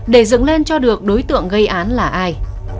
để dựng lên cho được đối tượng gây án là ai